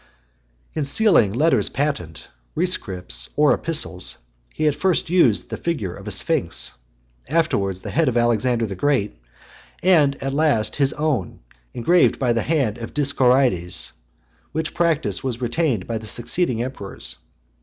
L. In sealing letters patent, rescripts, or epistles, he at first used the figure of a sphinx, afterwards the head of Alexander (111) the Great, and at last his own, engraved by the hand of Dioscorides; which practice was retained by the succeeding emperors.